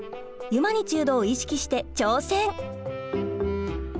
ユマニチュードを意識して挑戦！